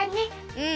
うん。